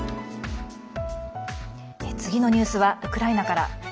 次のニュースはウクライナから。